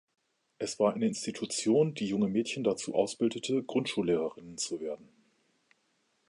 Es war eine Institution, die junge Mädchen dazu ausbildete, Grundschullehrerinnen zu werden.